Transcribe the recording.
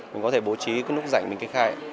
mình có thể bố trí cái lúc rảnh mình kê khai